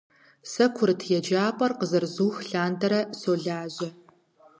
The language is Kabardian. Сэ курыт еджапӀэр къызэрызух лъандэрэ солажьэ.